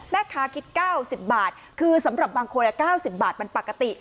คิด๙๐บาทคือสำหรับบางคน๙๐บาทมันปกติ